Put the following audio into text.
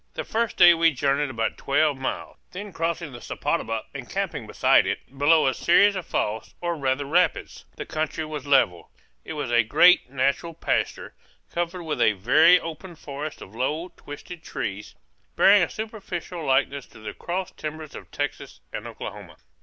The first day we journeyed about twelve miles, then crossing the Sepotuba and camping beside it, below a series of falls, or rather rapids. The country was level. It was a great natural pasture, covered with a very open forest of low, twisted trees, bearing a superficial likeness to the cross timbers of Texas and Oklahoma.